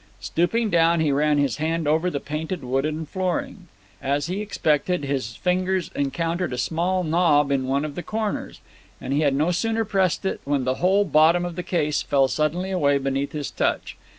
Stooping down he ran his hand over the painted wooden flooring. As he expected, his fingers encountered a small knob in one of the corners, and he had no sooner pressed it when the whole bottom of the case fell suddenly away beneath his touch.